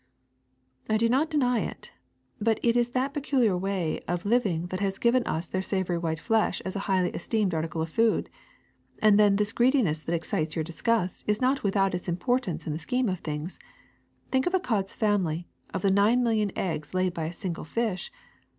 '' *^I do not deny it, but it is that particular way of living that has given us their savory white flesh as a highly esteemed article of food. And then this greediness that excites your disgust is not without its importance in the scheme of things. Think of a cod 's family, of the nine million eggs laid by a single fish.